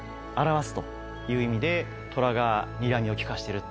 虎がにらみを利かしてる。